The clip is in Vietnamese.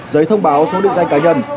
giấy thông báo số định danh cá nhân